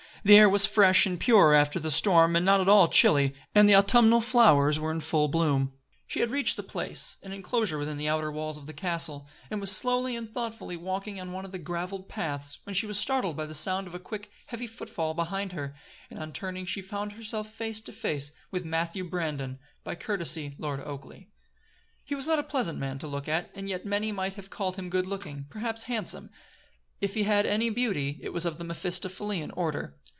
The air was fresh and pure after the storm and not at all chilly, and the autumnal flowers were in full bloom. She had reached the place an inclosure within the outer walls of the castle and was slowly and thoughtfully walking in one of the graveled paths, when she was startled by the sound of a quick, heavy footfall behind her, and on turning she found herself face to face with Matthew Brandon by courtesy Lord Oakleigh. He was not a pleasant man to look at, and yet many might have called him good looking perhaps handsome. If he had any beauty it was of the Mephistophelean order.